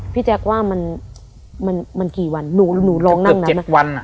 พี่แจ๊กว่ามันกี่วันหนูร้องนั่งนะ